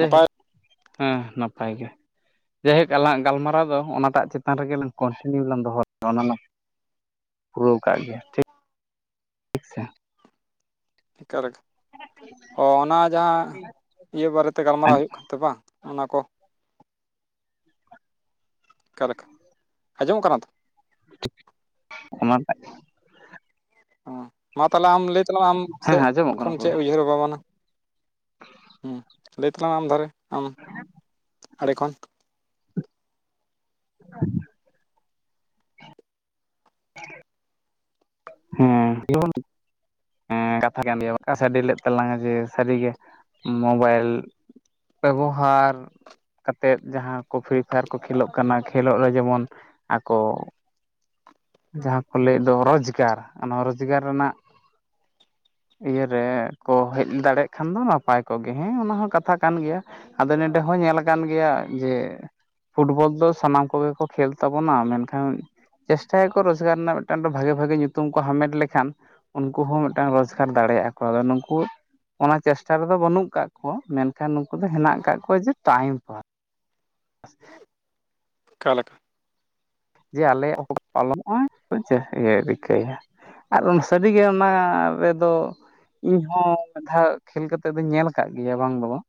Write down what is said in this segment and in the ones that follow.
ᱱᱟᱯᱟᱭ ᱦᱮᱸ ᱱᱟᱯᱟᱭ ᱜᱮ᱾ ᱡᱟᱭᱦᱳᱠ ᱟᱞᱟᱝᱟᱜ ᱜᱟᱞᱢᱟᱨᱟᱣ ᱫᱚ ᱚᱱᱟᱴᱟᱜ ᱪᱮᱛᱟᱱ ᱨᱮᱜᱮ ᱞᱟᱝ ᱠᱚᱱᱴᱤᱱᱤᱭᱩ ᱞᱟᱝ ᱫᱚᱦᱚ [unintelligible] ᱯᱩᱨᱟᱹᱣ ᱠᱟᱜ ᱜᱮᱭᱟ, ᱴᱷᱤᱠ᱾ ᱥᱮ ᱮᱠᱟᱞ ᱮ, ᱚ ᱚᱱᱟ ᱡᱟᱸᱦᱟ, ᱤᱭᱟᱹ ᱵᱟᱨᱮᱛᱮ ᱜᱟᱞᱢᱟᱨᱟᱣ ᱦᱩᱭᱩᱜ ᱠᱟᱱᱛᱮ ᱵᱟᱝ ᱚᱱᱟ ᱠᱚ, ᱚᱠᱟᱞᱮᱠᱟ ᱟᱸᱡᱚᱢᱚᱜ ᱠᱟᱱᱟ ᱛᱚ? [unintelligible] ᱚᱱᱟᱴᱟᱜ ᱚ, ᱢᱟ ᱛᱟᱦᱞᱮ ᱟᱢ ᱞᱟᱹᱭ ᱛᱟᱞᱟᱝ ᱢᱮ ᱟᱢ ᱦᱮᱸ ᱥᱮᱫ ᱟᱸᱡᱚᱢᱚᱜ ᱠᱟᱱᱟ ᱠᱷᱚᱱ ᱯᱩᱨᱟᱹ ᱪᱮᱫ ᱩᱭᱦᱟᱹᱨ ᱵᱷᱟᱵᱽᱱᱟ? ᱦᱩᱸ ᱞᱟᱹᱭ ᱛᱟᱞᱟᱝ ᱢᱮ ᱟᱢ ᱫᱷᱟᱨᱮ ᱟᱢ ᱟᱲᱮ ᱠᱷᱚᱱ, [unintelligible] ᱦᱩᱸ, ᱞᱚᱜᱚᱱ ᱧᱚᱜ, ᱦᱮᱸ ᱠᱟᱛᱷᱟ ᱠᱟᱱ ᱜᱮᱭᱟ [unintelligible] ᱥᱟᱰᱮ ᱞᱮᱫ ᱛᱟᱞᱟᱝᱟ ᱡᱮ ᱥᱟᱹᱨᱤᱜᱮ ᱢᱳᱵᱟᱭᱤᱞ, ᱵᱮᱵᱚᱦᱟᱨ, ᱠᱟᱛᱮᱫ ᱡᱟᱸᱦᱟ ᱠᱚ ᱯᱷᱨᱤ ᱯᱷᱟᱭᱟᱨ ᱠᱚ ᱠᱷᱮᱞᱳᱜ ᱠᱟᱱᱟ ᱠᱷᱮᱞᱳᱜ ᱨᱮ ᱡᱮᱢᱚᱱ ᱟᱠᱚ, ᱡᱟᱸᱦᱟ ᱠᱚ ᱞᱟᱹᱭᱮᱫ ᱫᱚ ᱨᱚᱡᱽᱜᱟᱨ ᱚᱱᱟ ᱨᱚᱡᱽᱜᱟᱨ ᱨᱮᱱᱟᱜ, ᱤᱭᱟᱹᱨᱮ ᱠᱚ ᱦᱮᱡ ᱫᱟᱲᱮᱭᱟᱜ ᱠᱷᱟᱱ ᱫᱚ ᱱᱟᱯᱟᱭ ᱠᱚᱜ ᱜᱮᱭᱟ, ᱦᱮᱸ ᱚᱱᱟ ᱦᱚᱸ ᱠᱟᱛᱷᱟ ᱠᱟᱱ ᱜᱮᱭᱟ᱾ ᱟᱫᱚ ᱱᱮᱸᱰᱮ ᱦᱚᱸ ᱧᱮᱞ ᱟᱠᱟᱱ ᱜᱮᱭᱟ ᱡᱮ, ᱯᱷᱩᱴᱵᱚᱞ ᱫᱚ ᱥᱟᱱᱟᱢ ᱠᱚᱜᱮ ᱠᱚ ᱠᱷᱮᱹᱞ ᱛᱟᱵᱚᱱᱟ ᱢᱮᱱᱠᱷᱟᱱ, ᱪᱮᱥᱴᱟᱭᱟᱠᱚ ᱨᱚᱡᱽᱜᱟᱨ ᱨᱮᱱᱟᱜ, ᱢᱤᱫᱴᱟᱝ ᱵᱷᱟᱜᱮ ᱵᱷᱟᱜᱮ ᱧᱩᱛᱩᱢ ᱠᱚ ᱦᱟᱢᱮᱴ ᱞᱮᱠᱷᱟᱱ, ᱩᱱᱠᱩ ᱦᱚᱸ ᱢᱤᱫᱴᱟᱝ ᱨᱳᱡᱽᱜᱟᱨ ᱫᱟᱲᱮᱭᱟᱜ ᱠᱚ᱾ ᱟᱫᱚ ᱱᱩᱠᱩ, ᱚᱱᱟ ᱪᱮᱥᱴᱟ ᱨᱮᱫᱚ ᱵᱟᱹᱱᱩᱜ ᱠᱟᱜ ᱠᱚᱣᱟ ᱢᱮᱱᱠᱷᱟᱱ ᱱᱩᱠᱩ ᱫᱚ ᱦᱮᱱᱟᱜ ᱟᱠᱟᱫ ᱠᱚᱣᱟ ᱡᱮ ᱴᱟᱭᱤᱢ ᱯᱟᱥ᱾ ᱚᱠᱟᱞᱮᱠᱟ? ᱡᱮ ᱟᱞᱮᱭᱟᱜ ᱠᱚ ᱯᱟᱞᱚᱢᱚᱜ-ᱟ, ᱡᱮ ᱤᱭᱟᱹ ᱨᱤᱠᱟᱹᱭᱟ, ᱟᱨ ᱩᱱ ᱥᱟᱹᱨᱤᱜᱮ ᱚᱱᱟ ᱨᱮᱫᱚ, ᱤᱧ ᱦᱚᱸ ᱢᱤᱫ ᱫᱷᱟᱣ ᱠᱷᱮᱹᱞ ᱠᱟᱛᱮᱜ ᱫᱩᱧ ᱧᱮᱞ ᱟᱠᱟᱫ ᱜᱮᱭᱟ ᱵᱟᱝ ᱫᱚ ᱵᱟᱝ,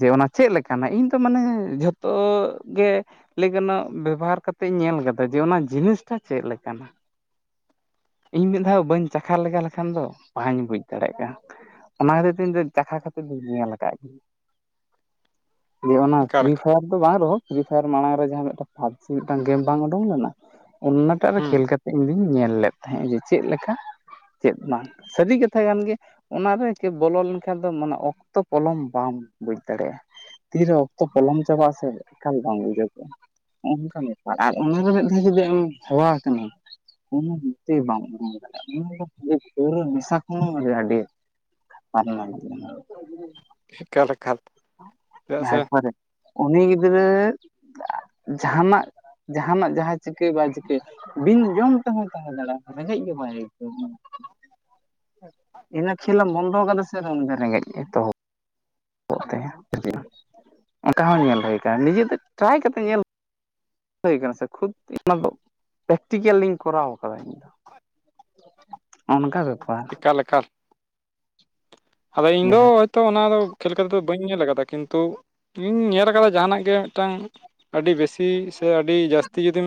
ᱡᱮ ᱚᱱᱟ ᱪᱮᱫ ᱞᱮᱠᱟᱱᱟ ᱤᱧ ᱛᱚ ᱢᱟᱱᱮ ᱡᱷᱚᱛᱚ ᱜᱮ, ᱞᱟᱹᱭ ᱜᱟᱱᱚᱜ-ᱟ ᱵᱮᱵᱚᱦᱟᱨ ᱠᱟᱛᱮᱫᱧ ᱧᱮᱞ ᱠᱟᱫᱟ ᱡᱮ ᱚᱱᱟ ᱡᱤᱱᱤᱥᱴᱟ ᱪᱮᱫ ᱞᱮᱠᱟᱱᱟ? ᱤᱧ ᱢᱤᱫ ᱫᱷᱟᱣ ᱵᱟᱹᱧ ᱪᱟᱠᱷᱟ ᱞᱮᱜᱟ ᱞᱮᱠᱷᱟᱱ ᱫᱚ ᱵᱟᱹᱧ ᱵᱩᱡᱽ ᱫᱟᱲᱮᱭᱟᱜ ᱠᱟᱱᱟ᱾ ᱚᱱᱟ ᱠᱷᱟᱹᱛᱤᱨ ᱛᱮ ᱤᱧ ᱫᱚ ᱪᱟᱠᱷᱟ ᱠᱷᱟᱹᱛᱤᱨ ᱫᱩᱧ ᱧᱮᱞ ᱟᱠᱟᱫ ᱜᱮᱭᱟ᱾ ᱡᱮ ᱚᱱᱟ ᱮᱠᱟᱞ ᱯᱷᱨᱤ ᱯᱷᱟᱭᱟᱨ ᱫᱚ ᱵᱟᱝ ᱨᱮᱦᱚᱸ ᱯᱷᱨᱤ ᱯᱷᱟᱭᱟᱨ ᱢᱟᱲᱟᱝ ᱨᱮ ᱡᱟᱦᱟᱸ ᱢᱤᱫᱴᱟᱝ ᱯᱷᱟᱵᱽᱡᱤ ᱢᱤᱫᱴᱟᱝ ᱜᱮᱢ ᱵᱟᱝ ᱩᱰᱩᱝ ᱞᱮᱱᱟ, ᱚᱱᱱᱟᱴᱟᱜ ᱨᱮ ᱦᱩᱸ ᱠᱷᱮᱹᱞ ᱠᱟᱛᱮᱜ ᱤᱧ ᱫᱩᱧ ᱧᱮᱞ ᱞᱮᱫ ᱛᱟᱦᱮᱸᱜ ᱡᱮ ᱪᱮᱫ ᱞᱮᱠᱟ? ᱪᱮᱫ ᱵᱟᱝ ᱥᱟᱹᱨᱤ ᱠᱟᱛᱷᱟ ᱠᱟᱱᱜᱮ ᱚᱱᱟᱨᱮ ᱠᱮ ᱵᱚᱞᱚ ᱞᱮᱱᱠᱷᱟᱱ ᱫᱚ ᱢᱟᱱᱮ ᱚᱠᱛᱚ ᱯᱚᱞᱚᱢ ᱵᱟᱢ ᱵᱩᱡᱽ ᱫᱟᱲᱮᱭᱟᱜᱼᱟ᱾ ᱛᱤᱨᱮ ᱚᱠᱛᱚ ᱯᱚᱞᱚᱢ ᱪᱟᱵᱟᱜ-ᱟ ᱥᱮ ᱮᱠᱟᱞ ᱵᱟᱝ ᱵᱩᱡᱟᱹᱜᱚᱜ-ᱟ, ᱦᱚᱸᱜ-ᱚ ᱱᱚᱝᱠᱟ ᱟᱨ ᱚᱱᱟᱨᱮ ᱢᱤᱫ ᱫᱷᱟᱣ ᱡᱩᱫᱤ ᱟᱢ ᱦᱮᱣᱟ ᱟᱠᱟᱱᱟ ᱠᱳᱱ ᱱᱤᱥᱪᱳᱭ ᱵᱟᱢ ᱩᱨᱩᱢ ᱫᱟᱲᱮᱭᱟᱜᱼᱟ [unintelligible] ᱯᱨᱟᱹᱣᱨᱟᱹ ᱱᱤᱥᱟ ᱠᱷᱚᱱ ᱦᱚᱸ ᱟᱹᱰᱤ ᱮᱠᱟᱞ ᱮᱠᱟᱞ ᱪᱮᱫᱟᱜ [unintelligible] ᱥᱮ ᱦᱟᱨᱮ ᱯᱷᱟᱨᱮ ᱩᱱᱤ ᱜᱤᱫᱽᱨᱟᱹ ᱡᱟᱸᱦᱟᱱᱟᱜ ᱡᱟᱸᱦᱟᱱᱟᱜ ᱡᱟᱦᱟᱸ ᱪᱤᱠᱟᱹ ᱵᱟᱭ ᱪᱤᱠᱟᱹᱭ ᱵᱤᱱ ᱡᱚᱢ ᱛᱮᱦᱚᱸᱭ ᱛᱟᱦᱮᱸ ᱫᱟᱲᱮᱭᱟᱜᱼᱟ ᱨᱮᱸᱜᱮᱡ ᱜᱮ ᱵᱟᱭ ᱟᱹᱭᱠᱟᱹᱣᱟ᱾ ᱤᱱᱟᱹ ᱠᱷᱮᱹᱞᱮᱢ ᱵᱚᱱᱫᱚ ᱠᱟᱫᱟ ᱥᱮ ᱨᱮᱢ ᱨᱮᱸᱜᱮᱡ ᱮᱛᱚᱦᱚᱵ [unintelligible] ᱚᱱᱠᱟ ᱦᱚᱸ ᱧᱮᱞ ᱦᱩᱭ ᱟᱠᱟᱱᱟ ᱱᱤᱡᱮᱛᱮ ᱴᱨᱟᱭ ᱠᱟᱛᱮ ᱧᱮᱞ ᱦᱩᱭ ᱟᱠᱟᱱᱟ ᱥᱮ ᱠᱷᱩᱫ ᱚᱱᱟᱫᱚ ᱯᱨᱮᱠᱴᱤᱠᱮᱞᱤᱧ ᱠᱚᱨᱟᱣ ᱟᱠᱟᱫᱟ ᱤᱧᱫᱚ᱾ ᱠᱷᱚᱡ ᱚᱱᱠᱟ ᱵᱮᱯᱟᱨ ᱮᱠᱟᱞ ᱮᱠᱟᱞ, ᱟᱫᱚ ᱤᱧ ᱫᱚ ᱡᱮᱦᱮᱛᱩ ᱛᱚ ᱚᱱᱟ ᱫᱚ ᱠᱷᱮᱹᱞ ᱠᱟᱛᱮ ᱫᱚ ᱵᱟᱹᱧ ᱧᱮᱞ ᱠᱟᱫᱟ ᱠᱤᱱᱛᱩ ᱤᱧ ᱧᱮᱞ ᱠᱟᱫᱟ ᱡᱟᱸᱦᱟᱱᱟᱜ ᱜᱮ ᱢᱤᱫᱴᱟᱝ ᱟᱹᱰᱤ ᱵᱮᱥᱤ ᱥᱮ ᱟᱹᱰᱤ ᱡᱟᱹᱥᱛᱤ ᱡᱩᱫᱤᱢ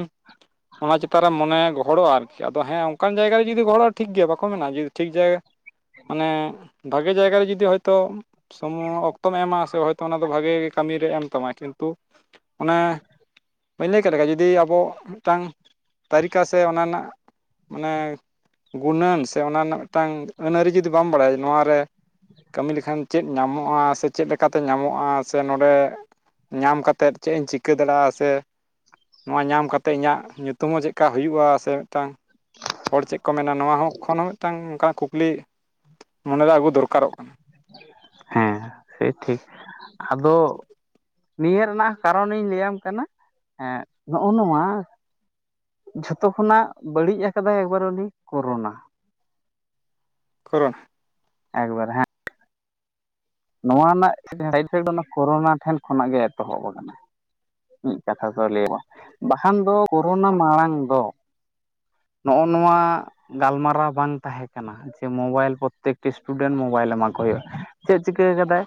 ᱚᱱᱟ ᱪᱮᱛᱟᱱ ᱨᱮ ᱢᱚᱱᱮ ᱜᱚᱦᱚᱲᱚᱜᱼᱟ ᱟᱨᱠᱤ ᱟᱫᱚ ᱦᱮᱸ ᱚᱱᱠᱟᱱ ᱡᱟᱭᱜᱟ ᱨᱮ ᱡᱩᱫᱤ ᱜᱚᱦᱚᱜᱼᱟ ᱴᱷᱤᱠ ᱜᱮᱭᱟ ᱵᱟᱠᱚ ᱢᱮᱱᱟ ᱡᱩᱫᱤ ᱴᱷᱤᱠ ᱡᱟᱭᱜᱟ, ᱢᱟᱱᱮ ᱵᱷᱟᱜᱮ ᱡᱟᱭᱜᱟ ᱨᱮ ᱡᱩᱫᱤ ᱦᱳᱭᱛᱚ᱾ ᱥᱚᱢᱚᱭ ᱚᱠᱛᱚᱢ ᱮᱢᱟ ᱥᱮ, ᱦᱚᱭᱛᱳ ᱚᱱᱟ ᱫᱚ ᱵᱷᱟᱜᱮ ᱜᱮ ᱠᱟᱹᱢᱤᱨᱮ ᱮᱢ ᱛᱟᱢᱟ ᱠᱤᱱᱛᱩ᱾ ᱚᱱᱮ ᱵᱟᱹᱧ ᱞᱟᱹᱭ ᱠᱮᱫ ᱞᱮᱠᱟ ᱡᱩᱫᱤ ᱟᱵᱚ ᱢᱤᱫᱴᱟᱝ᱾ ᱛᱟᱹᱨᱤᱠᱟ ᱥᱮ ᱚᱱᱟ ᱨᱮᱱᱟᱜ ᱢᱟᱱᱮ ᱜᱩᱱᱟᱹᱱ ᱥᱮ ᱚᱱᱟ ᱨᱮᱱᱟᱜ ᱢᱤᱫᱴᱟᱝ ᱟᱹᱱ ᱟᱹᱨᱤ ᱡᱩᱫᱤ ᱵᱟᱢ ᱵᱟᱰᱟᱭᱼᱟ᱾ ᱱᱚᱣᱟᱨᱮ ᱠᱟᱹᱢᱤ ᱞᱮᱠᱷᱟᱱ ᱪᱮᱫ ᱧᱟᱢᱚᱜᱼᱟ, ᱥᱮ ᱪᱮᱫ ᱞᱮᱠᱟᱛᱮ ᱧᱟᱢᱚᱜᱼᱟ, ᱥᱮ ᱱᱚᱰᱮ ᱧᱟᱢ ᱠᱟᱛᱮᱫ ᱪᱮᱫ ᱤᱧ ᱪᱤᱠᱟᱹ ᱫᱟᱲᱮᱭᱟᱜᱼᱟ᱾ ᱥᱮ ᱱᱚᱣᱟ ᱧᱟᱢ ᱠᱟᱛᱮ ᱤᱧᱟᱜ ᱧᱩᱛᱩᱢ ᱦᱚᱸ ᱪᱮᱫᱠᱟ ᱦᱩᱭᱩᱜᱼᱟ᱾ ᱥᱮ ᱢᱤᱫᱴᱟᱝ ᱦᱚᱲ ᱪᱮᱫ ᱠᱚ ᱢᱮᱱᱟ ᱱᱚᱣᱟ ᱦᱚᱸ ᱠᱷᱚᱱ ᱦᱚᱸ ᱢᱤᱫᱴᱟᱝ ᱚᱱᱠᱟ ᱠᱩᱠᱞᱤ ᱢᱚᱱᱮᱨᱮ ᱟᱹᱜᱩ ᱫᱚᱨᱠᱟᱨᱚᱜ ᱠᱟᱱᱟ ᱾ ᱦᱮᱸ ᱴᱷᱤᱠ ᱴᱷᱤᱠ ᱟᱫᱚ ᱱᱤᱭᱟᱹ ᱨᱮᱱᱟᱜ ᱠᱟᱨᱚᱱᱤᱧ ᱞᱟᱹᱭᱟᱢ ᱠᱟᱱᱟ᱾ ᱮᱸᱜ ᱱᱚᱜᱼᱚ ᱱᱚᱣᱟ ᱡᱷᱚᱛᱚ ᱠᱷᱚᱱᱟᱜ ᱵᱟᱹᱲᱤᱡ ᱟᱠᱟᱫᱟᱭ ᱮᱠᱵᱟᱨ ᱩᱱᱤ ᱠᱳᱨᱳᱱᱟ᱾ ᱠᱳᱨᱳᱱᱟ᱾ ᱮᱠᱵᱟᱨᱮ ᱦᱮᱸ ᱱᱚᱣᱟ ᱨᱮᱱᱟᱜ ᱥᱟᱭᱤᱰᱤᱯᱷᱮᱠᱴ ᱫᱚ, ᱱᱚᱣᱟ ᱠᱳᱨᱳᱱᱟ ᱴᱷᱮᱱ ᱠᱷᱚᱱᱟᱜ ᱜᱮ ᱮᱛᱚᱦᱚᱵ ᱟᱠᱟᱱᱟ ᱾ ᱢᱤᱫ ᱠᱟᱛᱷᱟ ᱫᱚ ᱞᱟᱹᱭᱚᱜᱚᱜᱼᱟ᱾ ᱵᱟᱠᱷᱟᱱ ᱫᱚ ᱠᱳᱨᱳᱱᱟ ᱢᱟᱲᱟᱝ ᱫᱚ᱾ ᱱᱚᱜᱼᱚ ᱱᱚᱣᱟ ᱜᱟᱞᱢᱟᱨᱟᱣ ᱵᱟᱝ ᱛᱟᱦᱮᱸ ᱠᱟᱱᱟ᱾ ᱡᱮ ᱢᱳᱵᱟᱭᱮᱞ ᱯᱨᱚᱛᱮᱠᱴᱤ ᱤᱥᱴᱩᱰᱮᱱᱴ ᱢᱳᱵᱟᱭᱮᱞ ᱮᱢᱟ ᱠᱚ ᱦᱩᱭᱩᱜᱼᱟ᱾ ᱪᱮᱫ ᱪᱤᱠᱟᱹ ᱠᱟᱫᱟᱭ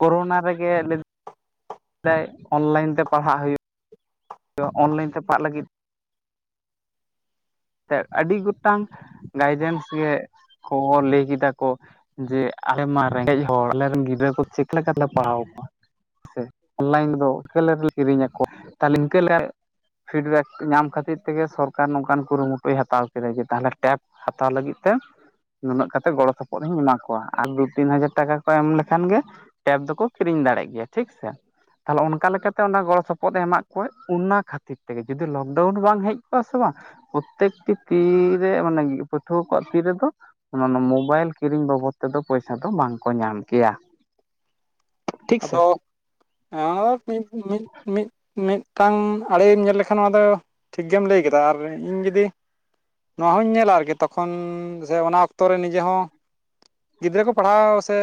ᱠᱳᱨᱳᱱᱟ ᱨᱮᱜᱮ ᱞᱟᱹᱭ ᱫᱟᱭ ᱚᱱᱞᱟᱭᱤᱱ ᱛᱮ ᱯᱟᱲᱦᱟᱜ ᱦᱩᱭᱩᱜ ᱚᱱᱞᱟᱭᱤᱱ ᱛᱮ ᱯᱟᱲᱟᱜ ᱞᱟᱹᱜᱤᱫ ᱟᱹᱰᱤ ᱜᱚᱴᱟᱝ ᱜᱟᱭᱰᱮᱱᱥ ᱜᱮ ᱠᱷᱚᱵᱚᱨ ᱞᱟᱹᱭ ᱠᱮᱫᱟ ᱠᱚ᱾ ᱡᱮ ᱟᱞᱮᱢᱟ ᱨᱮᱸᱜᱮᱡ ᱦᱚᱲ ᱟᱞᱮᱨᱮᱱ ᱜᱤᱫᱽᱨᱟᱹ ᱠᱚ ᱪᱮᱠᱟ ᱞᱮᱠᱟ ᱛᱮᱞᱮ ᱯᱟᱲᱦᱟᱣ ᱠᱚᱣᱟ? ᱥᱮ ᱚᱱᱞᱟᱭᱤᱱ ᱨᱮ ᱫᱚ ᱠᱟᱹᱞ ᱨᱮᱞᱮ ᱠᱤᱨᱤᱧᱟ ᱠᱚᱣᱟ ᱛᱟᱦᱞᱮ ᱤᱱᱠᱟᱹ ᱞᱮᱠᱟᱨᱮ ᱯᱷᱤᱰᱵᱮᱠ ᱧᱟᱢ ᱠᱷᱟᱹᱛᱤᱨ ᱛᱮᱜᱮ ᱥᱚᱨᱠᱟᱨ ᱱᱚᱝᱠᱟᱱ ᱠᱩᱨᱩᱢᱩᱴᱩᱭ ᱦᱟᱛᱟᱣ ᱠᱮᱫᱟ᱾ ᱡᱮ ᱛᱟᱦᱚᱞᱮ ᱴᱮᱴ ᱦᱟᱛᱟᱣ ᱞᱟᱹᱜᱤᱫ ᱛᱮ ᱱᱩᱱᱟᱹᱜ ᱠᱟᱛᱮᱜ ᱜᱚᱲᱚ ᱥᱚᱯᱚᱦᱚᱫ ᱤᱧ ᱮᱢᱟ ᱠᱚᱣᱟ᱾ ᱟᱨ ᱫᱩ ᱛᱤᱱ ᱦᱟᱡᱟᱨ ᱴᱟᱠᱟ ᱠᱚ ᱮᱢ ᱞᱮᱠᱷᱟᱱ ᱜᱮ ᱴᱮᱵᱽ ᱫᱚᱠᱚ ᱠᱤᱨᱤᱧ ᱫᱟᱲᱮᱜ ᱜᱮᱭᱟ᱾ ᱴᱷᱤᱠ ᱥᱮ ᱛᱟᱦᱚᱞᱮ ᱚᱱᱠᱟ ᱞᱮᱠᱟᱛᱮ ᱚᱱᱟ ᱜᱚᱲᱚ ᱥᱚᱯᱚᱦᱚᱫ ᱮ ᱮᱢᱟᱜ ᱠᱚᱣᱟ᱾ ᱚᱱᱟ ᱠᱷᱟᱹᱛᱤᱨ ᱛᱮᱜᱮ ᱡᱩᱫᱤ ᱞᱚᱠᱰᱟᱣᱩᱱ ᱵᱟᱝ ᱦᱮᱡ ᱠᱚᱜᱼᱟ ᱥᱮ ᱵᱟᱝ ᱯᱨᱚᱛᱮᱠᱴᱤ ᱛᱤᱨᱮ ᱢᱟᱱᱮ ᱜᱤ ᱯᱟᱹᱴᱷᱩᱣᱟᱹ ᱠᱚᱣᱟᱜ ᱛᱤ ᱨᱮᱫᱚ᱾ ᱚᱱᱟ ᱚᱱᱟ ᱢᱳᱵᱟᱭᱮᱞ ᱠᱤᱨᱤᱧ ᱵᱟᱵᱚᱫᱽ ᱛᱮᱫᱚ ᱯᱚᱭᱥᱟ ᱫᱚ ᱵᱟᱝ ᱠᱚ ᱧᱟᱢ ᱠᱮᱭᱟ᱾ ᱴᱷᱤᱠ ᱥᱮ ᱟᱫᱚ ᱦᱮᱸ [unintelligible] ᱢᱤᱫᱴᱟᱝ ᱟᱲᱮᱢ ᱧᱮᱞ ᱞᱮᱠᱷᱟᱱ ᱱᱚᱣᱟ ᱫᱚ᱾ ᱴᱷᱤᱠ ᱜᱮᱢ ᱞᱟᱹᱭ ᱠᱮᱫᱟ, ᱟᱨ ᱤᱧ ᱡᱚᱫᱤ, ᱱᱚᱣᱟ ᱦᱚᱸᱧ ᱧᱮᱞᱟ, ᱛᱚᱠᱷᱚᱱ ᱥᱮ ᱚᱱᱟ ᱚᱠᱛᱚ ᱨᱮ ᱱᱤᱡᱮ ᱦᱚᱸ, ᱜᱤᱫᱽᱨᱟᱹ ᱠᱚ ᱯᱟᱲᱦᱟᱣ ᱥᱮ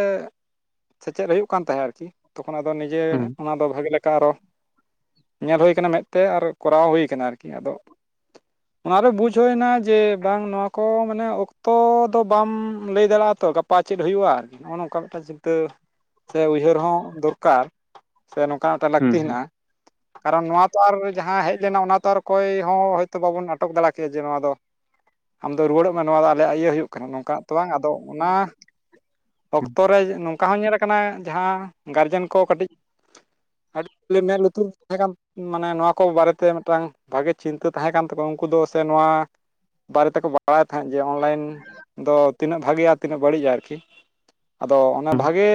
ᱥᱮᱪᱮᱫ ᱦᱩᱭᱩᱜ ᱠᱟᱱ ᱛᱟᱦᱮᱸᱫ ᱾ ᱛᱚᱠᱷᱚᱱ ᱟᱫᱚ ᱱᱤᱡᱮ ᱦᱩᱸ ᱚᱱᱟ ᱫᱚ ᱵᱷᱟᱜᱮ ᱞᱮ ᱟᱨᱦᱚᱸ ᱧᱮᱞ ᱦᱩᱭ ᱟᱠᱟᱱᱟ ᱢᱮᱫ ᱛᱮ ᱟᱨ ᱠᱚᱨᱟᱣ ᱦᱩᱭ ᱠᱟᱱᱟ᱾ᱟᱨᱠᱤ ᱟᱫᱚᱼᱼᱼ [unintelligible] ᱚᱱᱟ ᱨᱮ ᱵᱩᱡ ᱦᱩᱭ ᱮᱱᱟ ᱡᱮ, ᱵᱟᱝ ᱱᱚᱣᱟ ᱠᱚ ᱢᱟᱱᱮ ᱚᱠᱛᱚ ᱫᱚ ᱵᱟᱢ ᱞᱟᱹᱭ ᱫᱟᱲᱮᱭᱟᱜᱼᱟ ᱛᱚ ᱜᱟ ᱯᱟ ᱪᱮᱫ ᱦᱩᱭᱩᱜᱼᱟ? ᱱᱚᱜᱼᱚ ᱱᱚᱝᱠᱟ ᱢᱤᱫᱴᱟᱝ ᱪᱤᱱᱛᱟᱹ ᱥᱮ ᱩᱭᱦᱟᱹᱨ ᱦᱚᱸ ᱫᱚᱨᱠᱟᱨ ᱥᱮ ᱱᱚᱝᱠᱟ ᱢᱤᱫᱴᱟᱝ ᱞᱟᱹᱠᱛᱤ ᱢᱮᱱᱟᱜᱼᱟ᱾ [unintelligible] ᱠᱟᱨᱚᱱ ᱱᱚᱣᱟ ᱛᱚ ᱟᱨ ᱡᱟᱦᱟᱸ ᱦᱮᱡ ᱞᱮᱱᱟ, ᱚᱱᱟ ᱛᱚ ᱟᱨ ᱚᱠᱚᱭ ᱦᱚᱸ ᱦᱚᱭᱛᱚ ᱵᱟᱵᱚᱱ ᱟᱴᱚᱠ ᱫᱟᱲᱮ ᱠᱮᱭᱟ, ᱡᱮ ᱱᱚᱣᱟ ᱫᱚ ᱟᱢᱫᱚ ᱨᱩᱣᱟᱹᱲᱚᱜ ᱢᱮ, ᱱᱚᱣᱟ ᱫᱚ ᱟᱞᱮᱭᱟᱜ ᱤᱭᱟᱹ ᱦᱩᱭᱩᱜ ᱠᱟᱱᱟ, ᱱᱚᱝᱠᱟᱱᱟᱜ ᱛᱚ ᱵᱟᱝ, ᱟᱫᱚ ᱚᱱᱟ᱾ ᱦᱩᱸ ᱚᱠᱛᱚ ᱨᱮ ᱱᱚᱝᱠᱟ ᱦᱚᱸ ᱧᱮᱞᱟ ᱟᱠᱟᱱᱟ ᱡᱟᱦᱟᱸ ᱜᱟᱨᱡᱮᱱ ᱠᱚ ᱠᱟᱹᱴᱤᱡ ᱟᱹᱰᱤᱮ [unintelligible] ᱢᱮᱫ ᱞᱩᱛᱩᱨ ᱛᱟᱦᱮᱸ ᱢᱟᱱᱮ ᱱᱚᱣᱟ ᱠᱚ ᱵᱟᱨᱮᱛᱮ ᱢᱤᱫᱴᱟᱝ ᱵᱷᱟᱜᱮ ᱪᱤᱱᱛᱟᱹ ᱛᱟᱦᱮᱸ ᱠᱟᱱ ᱛᱟᱠᱚᱣᱟ, ᱩᱱᱠᱩ ᱫᱚ ᱥᱮ ᱱᱚᱣᱟ᱾ ᱵᱟᱨᱮ ᱛᱮᱠᱚ ᱵᱟᱲᱟᱭ ᱛᱟᱦᱮᱸᱫ ᱡᱮ ᱚᱱᱞᱟᱭᱤᱱ ᱫᱚ ᱛᱤᱱᱟᱹᱜ ᱵᱷᱟᱜᱮᱭᱟ, ᱛᱤᱱᱟᱹᱜ ᱵᱟᱹᱲᱤᱡᱼᱟ ᱾ ᱟᱫᱚ ᱚᱱᱮ ᱵᱷᱟᱜᱮ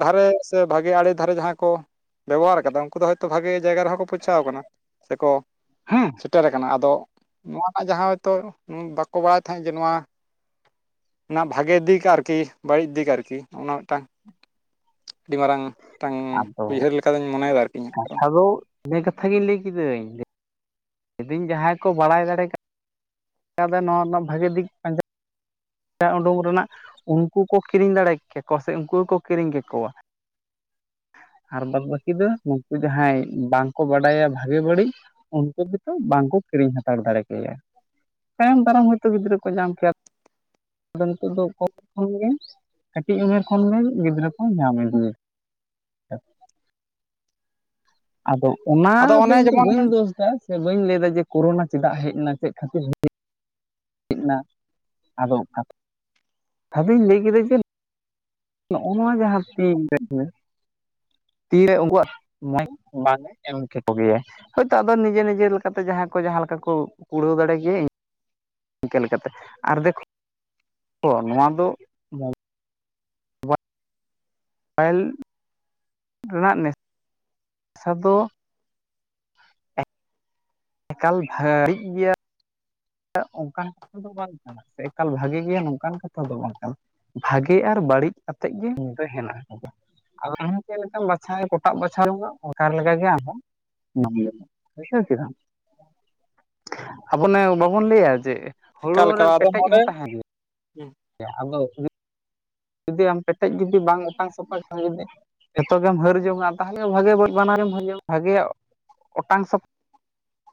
ᱫᱷᱟᱨᱮ ᱥᱮ ᱵᱷᱟᱜᱮ ᱟᱲᱮ ᱫᱷᱟᱨᱮ ᱡᱟᱦᱟᱸ ᱠᱚ, ᱵᱮᱵᱚᱦᱟᱨ ᱟᱠᱟᱫᱟ ᱩᱱᱠᱩ ᱫᱚ ᱦᱚᱭᱛᱚ ᱵᱷᱟᱜᱮ ᱡᱟᱭᱜᱟ ᱨᱮᱦᱚᱸ ᱠᱚ ᱯᱳᱪᱷᱟᱣ ᱟᱠᱟᱱᱟ, ᱥᱮᱠᱚ [inaudible] ᱥᱮᱴᱮᱨ ᱟᱠᱟᱱᱟ, ᱟᱫᱚ ᱱᱚᱣᱟ ᱨᱮᱱᱟᱜ ᱡᱟᱦᱟᱸ ᱦᱚᱭᱛᱚ ᱵᱟᱠᱚ ᱵᱟᱲᱟᱭ ᱛᱟᱦᱮᱸᱫ ᱡᱮ ᱱᱚᱣᱟ ᱚᱱᱟ ᱵᱷᱟᱜᱮ ᱫᱤᱠ ᱟᱨᱠᱤ ᱵᱟᱹᱲᱤᱡ ᱫᱤᱠ ᱟᱨᱠᱤ ᱚᱱᱟ ᱢᱤᱫᱴᱟᱝ ᱟᱹᱰᱤ ᱢᱟᱨᱟᱝ ᱢᱤᱫᱴᱟᱝ ᱟᱫᱚ ᱩᱭᱦᱟᱹᱨ ᱞᱮᱠᱟ ᱫᱚᱧ ᱢᱚᱱᱮ ᱮᱫᱟ ᱤᱧᱟᱹᱜ ᱠᱟᱨᱚᱱ᱾ ᱤᱠᱟᱹ ᱠᱟᱛᱷᱟ ᱜᱮ ᱞᱟᱹᱭ ᱠᱤᱫᱟᱹᱧ ᱡᱩᱫᱤ ᱤᱧ ᱡᱟᱦᱟᱸᱭ ᱠᱚ ᱵᱟᱲᱟᱭ ᱫᱟᱲᱮ ᱠᱟ ᱠᱟᱫᱟ ᱱᱚᱣᱟ ᱨᱮᱱᱟᱜ ᱵᱷᱟᱜᱤ ᱫᱤᱠ ᱯᱟᱸ ᱡᱟ ᱚᱸᱰᱩᱠ ᱨᱮᱱᱟᱜ ᱩᱱᱠᱩ ᱠᱚ ᱠᱤᱨᱤᱧ ᱫᱟᱲᱮ ᱠᱮ ᱠᱚᱣᱟ ᱥᱮ ᱩᱱᱠᱩ ᱜᱮᱠᱚ ᱠᱤᱨᱤᱧ ᱠᱮ ᱠᱚᱣᱟ ᱟᱨ ᱵᱟᱫ ᱵᱟᱹᱠᱤ ᱫᱚ ᱩᱱᱠᱩ ᱡᱟᱦᱟᱸᱭ ᱵᱟᱝᱠᱚ ᱵᱟᱰᱟᱭᱟ ᱵᱷᱟᱜᱤ ᱵᱟᱹᱲᱤᱡ ᱩᱱᱠᱩ ᱜᱮᱛᱚ ᱵᱟᱝᱠᱚ ᱠᱤᱨᱤᱧ ᱦᱟᱛᱟᱲ ᱫᱟᱲᱮ ᱠᱮᱭᱟ, ᱛᱟᱭᱚᱢ ᱫᱟᱨᱟᱢ ᱦᱚᱭᱛᱚ ᱜᱤᱫᱽᱨᱟᱹ ᱠᱚ ᱧᱟᱢ ᱠᱮᱭᱟ ᱟᱫᱚ ᱱᱤᱛᱚᱜ ᱫᱚ ᱠᱚᱢ [unintelligible] ᱠᱷᱚᱱ ᱜᱮ ᱠᱟᱹᱴᱤᱡ ᱩᱢᱮᱨ ᱠᱷᱚᱱ ᱜᱮ ᱜᱤᱫᱽᱨᱟᱹ ᱠᱚ ᱧᱟᱢ ᱤᱫᱤᱭᱟ [unintelligible] ᱟᱫᱚ ᱚᱱᱟ ᱟᱫᱚ ᱫᱚ ᱚᱱᱮ ᱤᱧ ᱫᱚ ᱡᱮᱢᱚᱱ ᱵᱟᱹᱧ ᱫᱳᱥ ᱫᱟ ᱥᱮ ᱵᱟᱹᱧ ᱞᱟᱹᱭ. ᱫᱟ ᱡᱮ ᱠᱳᱨᱳᱱᱟ ᱪᱮᱫᱟᱜ ᱦᱮᱡ ᱮᱱᱟ, ᱪᱮᱫ ᱠᱷᱟᱹᱛᱤᱨ ᱦᱮ ᱱᱟ ᱟᱫᱚ ᱠᱛᱷ [unintelligible] ᱫᱩᱧ ᱞᱟᱹᱭ ᱠᱮᱫᱟ ᱡᱮ ᱱᱚᱜᱼᱚ ᱱᱚᱣᱟ ᱡᱟᱦᱟᱸ ᱛᱤ [unintelligible] ᱛᱤᱨᱮ ᱩᱱᱠᱩᱦᱟᱜ [unintelligible] ᱵᱟᱝᱮ ᱮᱢ ᱠᱮᱠᱚᱜᱮᱟᱭ᱾ ᱦᱳᱭᱛᱚ ᱟᱫᱚ ᱱᱤᱡᱮ-ᱱᱤᱡᱮ ᱞᱮᱠᱟᱛᱮ ᱡᱟᱦᱟᱸ ᱠᱚ ᱡᱟᱦᱟᱸ ᱞᱮᱠᱟᱠᱚ ᱠᱩᱲᱟᱹᱣ ᱫᱟᱲᱮ ᱜᱮ ᱾ ᱤᱱᱠᱟᱹ ᱞᱮᱠᱟᱛᱮ ᱟᱨ [unintelligible] ᱱᱚᱣᱟ ᱫᱚ ᱯᱟᱭᱤᱞ ᱨᱮᱱᱟᱜ ᱱᱮᱥ ᱥᱟᱫᱚ ᱮᱠᱟᱞ ᱵᱷᱟᱹᱲᱤᱡ ᱜᱮᱭᱟ, ᱚᱱᱠᱟᱱ ᱠᱟᱛᱷᱟ ᱫᱚ ᱵᱟᱝ ᱠᱟᱱᱟ, ᱥᱮ ᱮᱠᱟᱞ ᱵᱷᱟᱜᱮ ᱜᱮᱭᱟ ᱱᱚᱝᱠᱟᱱ ᱠᱟᱛᱷᱟ ᱫᱚ ᱵᱟᱝ ᱠᱟᱱᱟ, ᱵᱷᱟᱜᱮ ᱟᱨ ᱵᱟᱹᱲᱤᱡ ᱠᱟᱛᱮ ᱜᱮ [unintelligible] ᱢᱮᱱᱟᱜᱼᱟ ᱟᱫᱚ ᱦᱮᱸ ᱪᱮᱫ ᱞᱮᱠᱟᱢ ᱵᱟᱪᱷᱟ, ᱠᱚᱴᱟᱜ ᱵᱟᱪᱷᱟᱣ ᱡᱚᱸᱜᱼᱟ [unintelligible] ᱞᱮᱠᱟᱜᱮ ᱟᱢᱦᱚᱸ [unintelligible] ᱵᱟᱵᱚᱱ ᱞᱟᱹᱭᱟ ᱡᱮ ᱦᱩᱲᱩ ᱮᱠᱟᱞ ᱨᱮ ᱮᱠᱟᱞ ᱟᱫᱚ ᱯᱮᱴᱮᱡ ᱱᱚᱰᱮ ᱦᱚᱸ ᱛᱟᱦᱮᱸ ᱜᱮᱭᱟ, ᱟᱫᱚ ᱡᱚᱫᱤ ᱟᱢ ᱯᱮᱴᱮᱡ ᱡᱚᱫᱤ ᱵᱟᱝ ᱚᱴᱟᱝ ᱥᱟᱯᱷᱟᱜ ᱠᱷᱟᱱ ᱡᱩᱫᱤ ᱡᱷᱚᱛᱚ ᱜᱮᱢ ᱦᱟᱹᱨ ᱡᱚᱝ-ᱟ, ᱛᱟᱦᱚᱞᱮ ᱵᱷᱟᱜᱮ ᱵᱟᱹᱲᱤᱡ ᱵᱟᱱᱟᱨᱮᱢ ᱦᱟᱹᱨ ᱡᱚᱝ-ᱟ ᱵᱷᱟᱜᱮᱭᱟᱜ ᱚᱴᱟᱝ ᱥᱚᱯ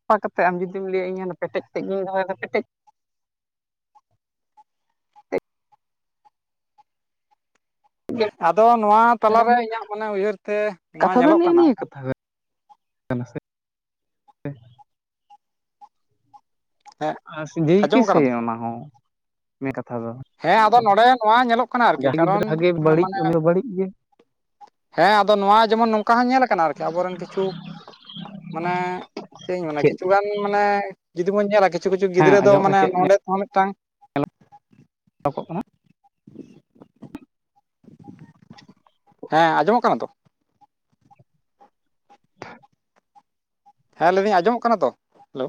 ᱠᱟᱛᱮ ᱟᱢ ᱡᱚᱫᱤᱢ ᱞᱟᱹᱭᱟ ᱤᱧ ᱚᱱᱟ ᱯᱮᱴᱮᱡ ᱛᱮᱫ ᱜᱮᱧ ᱫᱚᱦᱚᱭᱫᱟ, ᱯᱮᱴᱮᱡ ᱟᱫᱚ ᱱᱚᱣᱟ ᱛᱟᱞᱟᱨᱮ ᱤᱧᱟᱹᱜ ᱢᱟᱱᱮ ᱩᱭᱦᱟᱹᱨ ᱛᱮ ᱱᱚᱣᱟ ᱠᱟᱛᱷᱟ ᱫᱚ ᱧᱮᱞᱚᱜ ᱱᱮᱜᱼᱮ ᱠᱟᱱᱟ ᱱᱤᱭᱟᱹ ᱠᱟᱛᱷᱟ [unintelligible] ᱦᱮᱸ ᱡᱮᱭ ᱠᱤ ᱟᱸᱡᱚᱢᱚᱜ ᱠᱟᱱᱟ ᱥᱮᱭ ᱛᱚ? ᱚᱱᱟ ᱦᱚᱸ ᱱᱤᱭᱟᱹ ᱠᱟᱛᱷᱟ ᱫᱚ᱾ ᱦᱮᱸ ᱟᱫᱚ ᱱᱚᱰᱮ ᱱᱚᱣᱟ ᱧᱮᱞᱚᱜ ᱠᱟᱱᱟ ᱟᱨᱠᱤ ᱠᱟᱨᱚᱱ ᱤᱡ ᱢᱟᱱᱮ ᱚᱱᱤ ᱫᱚ ᱵᱟᱹᱲᱤᱡ ᱜᱮ ᱾ ᱦᱮᱸ ᱟᱫᱚ ᱱᱚᱣᱟ ᱡᱮᱢᱚᱱ ᱱᱚᱝᱠᱟ ᱦᱚᱸ ᱧᱮᱞ ᱟᱠᱟᱱᱟ ᱟᱨᱠᱤ ᱟᱵᱚᱨᱮᱱ ᱠᱤᱪᱷᱩ ᱢᱟᱱᱮ ᱪᱮᱫᱤᱧ ᱢᱮᱱᱟ ᱪᱮᱫ ᱠᱤᱪᱷᱩ ᱜᱟᱱ ᱢᱟᱱᱮ ᱡᱩᱫᱤ ᱵᱚᱱ ᱧᱮᱞᱟ ᱠᱤᱪᱷᱩ-ᱠᱤᱪᱷᱩ ᱦᱮᱸ ᱜᱤᱫᱽᱨᱟᱹ ᱫᱚ ᱟᱸᱡᱚᱢᱚᱜ ᱠᱟᱱᱟ ᱢᱟᱱᱮ ᱪᱮᱫ ᱱᱚᱸᱰᱮ ᱛᱮᱦᱚᱸ ᱢᱤᱜᱴᱟᱝ [unintelligible] ᱦᱮᱸ ᱟᱸᱡᱚᱢᱚᱜ ᱠᱟᱱᱟ ᱛᱚ? ᱦᱮᱸ ᱞᱟᱮᱫᱤᱧ ᱟᱸᱡᱚᱢᱜ ᱠᱟᱱᱟ ᱛᱚ? ᱦᱮᱞᱳ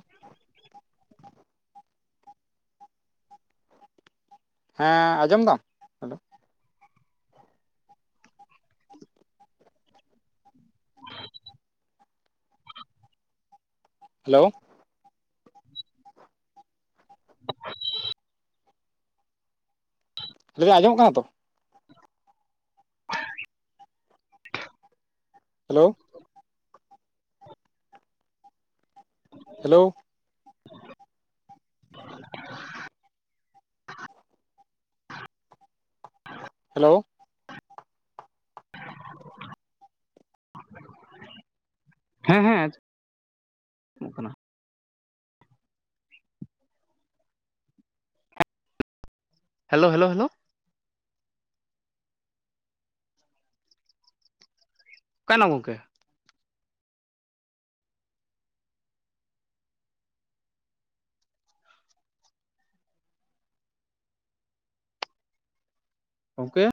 ᱦᱮᱸ ᱟᱸᱡᱚᱢ ᱫᱟᱢ? ᱦᱮᱞᱳ ᱦᱮᱞᱳ ᱞᱟᱹᱭᱫᱤᱧ ᱟᱸᱡᱚᱢᱜ ᱠᱟᱱᱟ ᱛᱚ? ᱦᱮᱞᱳ ᱦᱮᱞᱳ [inaudible] ᱦᱮᱞᱳ [inaudible] ᱦᱮᱸ ᱦᱮᱸ ᱢᱚᱜ ᱠᱟᱱᱟ ᱦᱮᱞᱳ ᱦᱮᱞᱳ ᱦᱮᱞᱳ ᱚᱠᱟᱭ ᱱᱟᱢ ᱜᱚᱝᱠᱮ? ᱜᱚᱝᱠᱮ